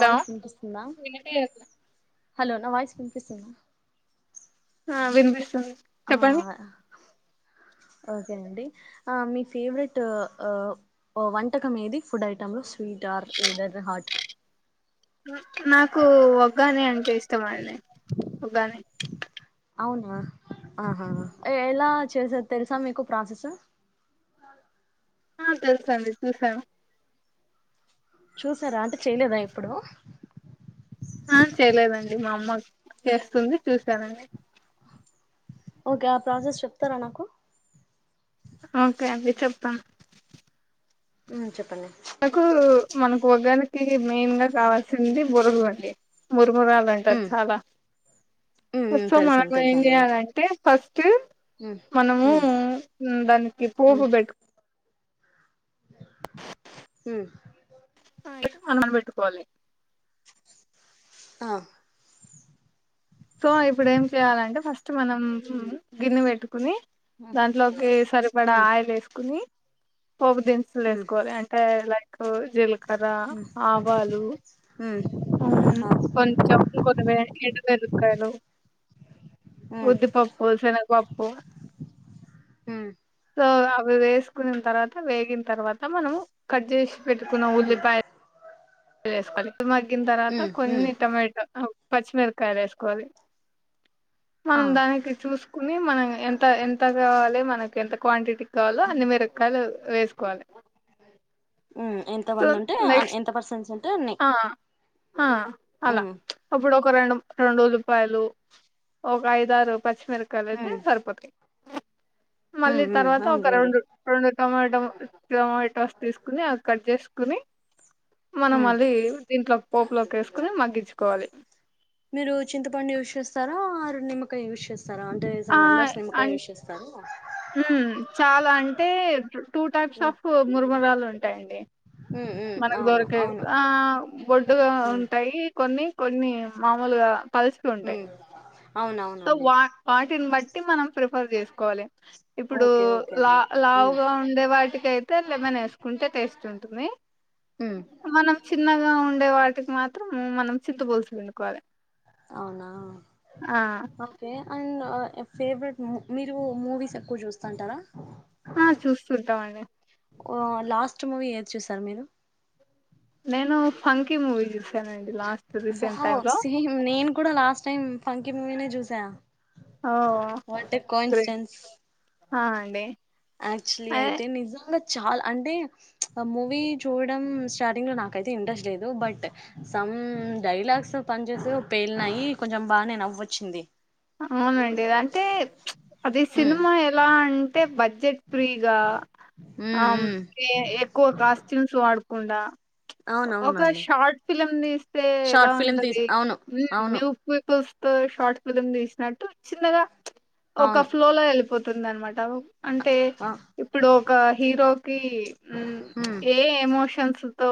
Hello సంటసుందా hello నా voice పనిపిస్తుంద ఆ వినిపిస్తు ఆ ఓకేనండి ఆ మీ ఫేవరెట్ ఓ వంటకం ఏది ఫుడ్ ఐటెం లో స్వీ టార్ ఏదనా హట్ నాకు వగ్గానే అంటే ఇష్టమండే వగ్గానే అవునా ఆహా ఎలా చేసేత్ తెలుసా మీకు ప్రాసెసు నడు ఆ తెలుసండి చూసావు. చూసారా అంటే చేయలేదా ఎప్పుడు ఆ చేయలేదండి. మామోస్ చేస్తుంది చూసానండి. ఓకే ఆ ప్రాసెస్ చెప్తారా నాకు ఓకే అండి చెప్తా హు చెప్పండి. నాకు మనకు వగానికి మెయిన్ గా కావాల్సింది బురుగు అండి. మురుమురాలు అంటారు ఉమ్ చాలా ఉమ్ ఉమ్ ఫుఫో మనం తెలుసండి ఏం తెలుసండి అవి చేయాలంటే ఫస్ టు ఉమ్ మనము ఉమ్ దానికి ఉమ్ పోపు బెట్టు హు్ అన్నం బెట్టుకోవాలి ఆ సో ఇప్పుడు ఏం చేయాలంటే ఫస్ట్ మనం గిన్నె బెట్టుకుని ఉమ్ దాంట్లోకి సరిపడా ఉమ్ ఆయిల్ ఏసుకుని పోపు దినుసులు ఉమ్ ఏసుకోవాలి అంటే లైక్ జీలకర్ర, ఆవాలు. ఉమ్ ఉమ్ ఆ కొంచం ఈ కొదిమేడ్ ఏడుమేర్ కలు ఉమ్ ఉద్దిపప్పు, శనగపప్పు ఉమ్ సో అవి వేసుకునీన్ తర్వాత వేగిన తర్వాత మనము కడ్జెచ్చి పెట్టుకున్న ఉల్లిపాయలు వేసుకోవాలి. మాగీన్ తర్వాత కొన్ని ఉమ్ టమాటో ఓ పచ్చిమిరకాయలు ఏసుకోవాలి. ఆ మనం దానికి చూసుకుని మనమే ఎంత ఎంత గావాలే, మనకి ఎంత క్వాంటిటీ కావాలో అన్ని మిర్పకాయలు వేసుకోవాలే. హు ఎంత మంది ఉంటే నెక్స్ట్ ఎంత పర్సెంసన్ ఆ ఆ అలా ఉమ్ అప్పుడు ఒక రొండుమ్ రొండ్ రోజుల్ పైలు ఒక ఐదారు పచ్చిమిరపకాయలు అయితే ఉమ్ సరిపోతాయ్. ఉమ్ మళ్ళీ ఉమ్ తర్వాత ఒక అవునులేండి రొండు, రొండు టమాటో టమాటోస్ తీసుకొని అది కడ్జెస్ కుని హు్ ఎవుద్ దీంట్లో పోపులోకి వేసుకుని మగ్గించుకోవాలి. మీరు చింతపండు యూచ్ చేసారా ఆర్ నిమ్మకాయ యూచ్ చేస్ దేసా మెంబర్స్ నిమ్మకయూషేస్తారు. ఉహ్ చాలా అంటే టూ టైప్స్ ఉమ్ ఆఫ్ మురమురాలు ఉంటాయండి. ఉమ్ ఉమ్ మనకు అవును దొరకే అవును ఆ బొడ్డుగా ఉమ్ ఉంటాయి కొన్ని కొన్ని మామూలుగా పల్సపి ఉంటాయ్. ఉమ్ సో అవునవునండి వా వాటిని బట్టి మనం ప్రిఫర్ జేసుకోవాలే. ఇప్పుడు ఓకే ఓకే లా అండి ఉమ్ లావుగా ఉండే వాటికి అయితే లెమన్ ఏసుకుంటే టేస్ట్ ఉంటుంది. ఉమ్ మనం చిన్నగా ఉండే వాటికి మాత్రం మనం చింత పోల్స్ పెండుకోవాలే. అవునా ఓకే అండ్ ఫేవరెట్ మీరు మూవీస్ ఎక్కువ చూస్తుంటారా. ఆ చూస్తుంటావండే ఓ లాస్ట్ మూవీ ఏద్ చూసారు మీరు నేను ఫంకి మూవీ జూస్ వావ్ సేమ్ నేన్ కూడా లాస్ట్ టైం ఫంకి మూమీనే జూసా. Oh what a great coincidence. ఆ అండే. ఆక్చులీ అయితే నిజంగా చాలా అంటే మూవీ చూడడం స్టార్టింగ్ లో నాకైతే ఇంట్రెస్ట్ లేదు బట్ డైలాగ్స్ పని చేసో పేలినాయి కొంచెం బానే నవ్వోచ్చింది అవునండి అంటే అది హ్మ్ సినిమా ఎలా అంటే బ బడ్జెట్ ఫ్రీగా ఆ హ్మ్ హ్మ్ ఎక్కువ కాస్ట్యూమ్స్ వాడకుండా ఒక అవునవునండి షార్ట్ ఫిలిం తీస్తే ఎలా షార్ట్ ఫిలిం తీసి ఉంటది అవును ఉమ్ అవును న్యూ పీపుల్స్ తో షార్ట్ ఫిలిమ్ తీసినట్టు చిన్నగా ఒక అవును ఫ్లోలో వెళ్ళిపోతుంది అన్నమాట ట అంటే ఆ ఇప్పుడు ఒక హీరోకీ హ్మ్ ఏ ఎమోషన్స్ తో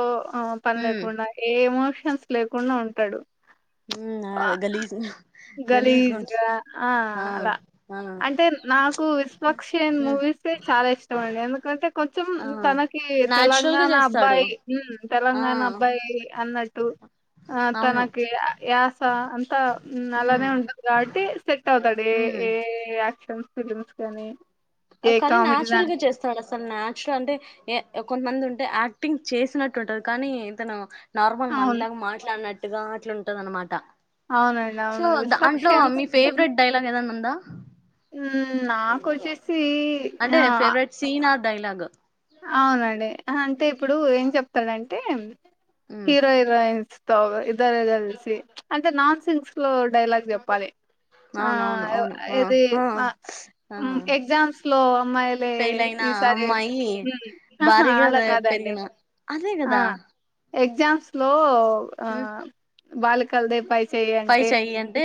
పని హ్మ్ లేకుండా ఏ ఎమోషన్స్ లేకుండా ఉంటాడు ఉమ్ ఆహ్, గలీజ్ గలీజ్గుంట గలీజ్‌గా ఆ అలా ఆ అంటే నాకు విశ్వక్ సేన్ ఉమ్ మూవీసే చాలా ఇష్టమండి ఎందుకంటే కొంచెం ఆ తనకి నాచురల్ గా తెలంగాణ చేస్తాడు అబ్బాయి ఆ తెలంగాణ అబ్బాయి అన్నట్టు ఆ అవును తనకి యాస్ సా అంతా ఉమ్ అలానే ఉంటది కాబట్టి సెట్ అవుతాడు ఏ ఉమ్ ఏ యాక్షన్ ఫిలిమ్స్ కానీ ఏ కానీ కామెడీ నాచురల్ గా దానికి చేస్తాడు అసలు నా చురల్ అంటే కొంతమంది ఉంటే యాక్టింగ్ చేసినట్టు ఉంటది కానీ ఇతను నార్మల్ అవును మనలాగా మాట్లాడినట్టుగా ఆట్లుంటదన్నమాట అవునండి సో అవును దాంట్లో విస్పక్షన్స్ మీ ఫేవరెట్ డైలాగ్ ఏదైనా ఉందా నాకొచ్చేసి అంటే ఆ ఫేవరెట్ సీన్ ఆర్ డైలాగ్ అవునండి ఆహా అంటే ఇప్పుడు ఏం చెప్తడంటే ఉమ్ హీరో హీరోయిన్స్ ఇద్దరు కలిసి అంటే నాన్ సింక్స్ లో డైలాగ్ చెప్పాలి ఆ అవునవును అవును ఆ ఇది ఆ ఆ ఎగ్జామ్స్ లో అమ్మాయిలే ఫెయిల్ అయిన ఈసారి అమ్మాయి ఆహా భారీగా అలా కాదండి పెరిగిన అదే ఆ కదా ఎగ్జామ్స్ లో ఆ బాలికల్దే పై చెయి పై అంటే చెయ్యి అంటే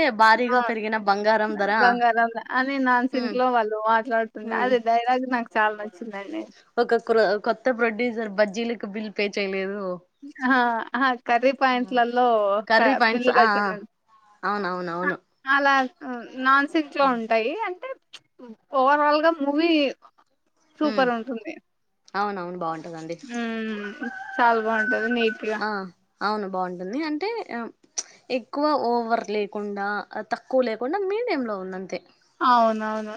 ఆ భారీగా పెరిగిన బంగ బంగారం అని నాన్ సింక్ లో వాళ్ళు మాట్లాడుతుంటె అది డైలాగ్ నాకు చాలా నచ్చింది చ్చిందండి ఒక క్రో కొత్త ప్రొడ్యూసర్ బజ్జీలకు బిల్ పే చేయలేదు ఆ కర్రీ పాయింట్లలో కర్రీ పాయింట్స్ బిల్లు ఆ కట్టలేదని అవునవునవును అలా నాన్ సింక్ లో ఉంటాయి అంటే ఓవరాల్గా మూవీ సూపర్ ఉంటుంది అవునవును బాగుంటదండి ఉమ్ చాలా బాగుంటది నీట్గా ఆ అవును బాగుంటుంది అంటే ఎక్కువ ఓవర్ లేకుండా తక్కువ లేకుండా మీడియంలో ఉందంతే అవునవును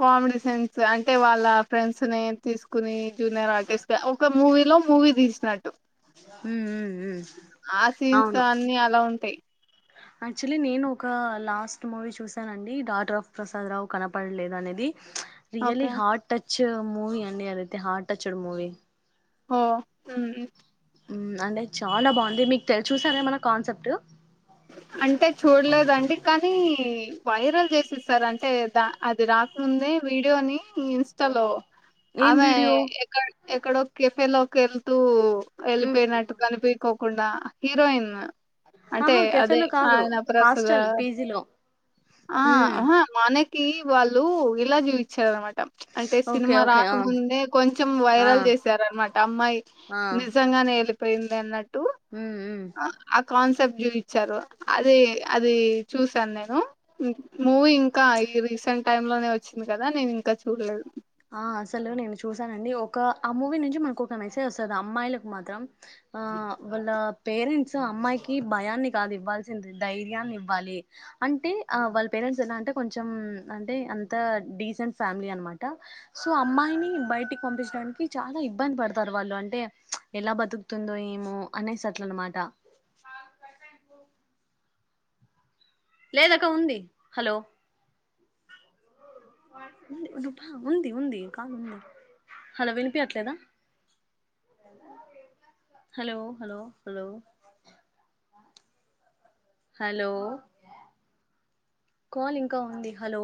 కామెడీ సెన్స్ అంటే వాళ్ళ ఫ్రెండ్స్ ని తీసుకుని జూనియర్ ఆర్టిస్ట్ గా ఒక మూవీలో మూవీ తీసినట్టు ఆ సీన్స్ అన్ని అలా ఉంటాయి యాక్చువలీ నేను ఒక లాస్ట్ మూవీ చూసానండి డాటర్ ఆఫ్ ప్రసాద్ రావు కనపడలేదు అనేది really okay heart touch movie అండి అదైతే హార్ట్ టచ్ మూవి హ ఉమ్ అంటే చాలా బాగుంది మీకు తె చూసారా ఏమన్న కాన్సెప్ట్ అంటే చూడలేదండి కానీ వైరల్ చేసేసారు అంటే ద అది రాకముందే వీడియోని ఇన్స్టా లో ఏం ఆమె వీడియో ఎక్కడ ఎక్కడో కేఫెలోకెళ్తూ ఉమ్. వెళ్ళిపోయినట్టు కనిపికోకుండా హీరోయిన్ అంతే ఆహా అదే కెఫేలో కాదు ఆయన అపసద హాస్టల్ పీజీలో ఆ ఉమ్. హ మన కి వాలు ఇలా జీవిచేవారు అనమాట అంటే ఓకే సినిమా ఓకే ఆ రాకముందే కొంచెం ఆ వైరల్ చేసారనమాట అమ్మాయి ఆ నిజంగాఎలిపి పోయింది అన్నట్టు ఉమ్ ఉమ్. ఆ కాన్సెప్ట్ చూ ఇచ్చారు అది అది చూసాను నేను మూవీ ఇంకా ఈ రీసెంట్ టైం లోనే వచ్చింది కదా నేను ఇంకా చూడలేదు, ఆ అసలు నేను చూసానండి ఒక ఆ మూవీ నుంచి మనకు ఒక మెసేజ్ వస్తుంది అమ్మాయిలకు మాత్రం, ఆ వాళ్ళ పేరెంట్స్ అమ్మాయికి భయాన్ని కాదు ఇవ్వాల్సింది ధైర్యాన్ని ఇవ్వాలి అంటే వాళ్ళ పేరెంట్స్ ఎలా అంటే కొంచెం అంటే అంత డీసెంట్ ఫ్యామిలీ అనమాట, సో అమ్మాయిని బయటికి పంపించడానికి చాలా ఇబ్బంది పడతారు వాళ్ళు అంటే ఎలా బతుకు తుందో ఏమో అనేసి అట్ల అన్నమాట లేదక్క ఉంది హలో ఉందిపా ఉంది ఉంది కాదు ఉంది hello వినిపియట్లేదా, [unintelligible] hello hello hello hello call ఇంకా ఉంది హలో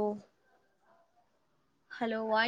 హలో వాయి